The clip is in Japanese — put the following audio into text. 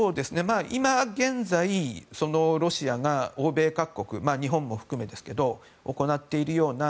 今現在、ロシアが欧米各国日本も含めてですけど行っているような